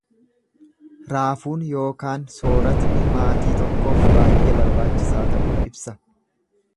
Raafuun yookaan sooratni maatii tokkoof baay'ee barbaachisaa ta'uu ibsa.